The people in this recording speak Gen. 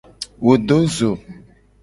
Wo do zo.